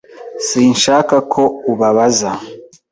Sinshaka ko ubabaza.